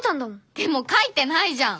でも書いてないじゃん！